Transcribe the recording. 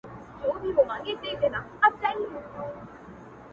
• له ملا څخه خوابدې سوه عورته ,